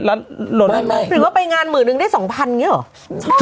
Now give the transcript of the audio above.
แล้วลดหรือว่าไปงานหมื่นหนึ่งได้สองพันกินเงี้ยเหรอ